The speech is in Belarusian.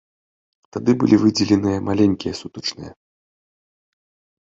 Тады былі выдзеленыя маленькія сутачныя.